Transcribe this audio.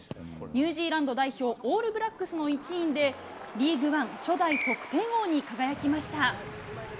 ニュージーランド代表、オールブラックスの一員で、リーグワン初代得点王に輝きました。